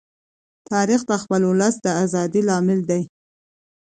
تاریخ د خپل ولس د ازادۍ لامل دی.